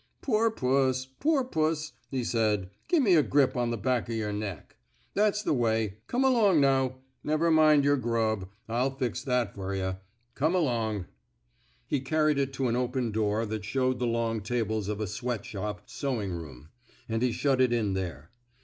'* Poor puss, poor puss," he said. Gimme a grip on the back o' yer neck. That's the way. Come along, now. Never mind yer grub. I'll fix that fer yuh. Come along." He carried it to an open door that showed the long tables of a sweat shop " sewing room; and he shut it in there.